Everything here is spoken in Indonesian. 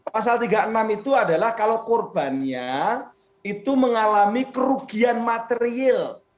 pasal tiga puluh enam itu adalah kalau korbannya itu mengalami kerugian material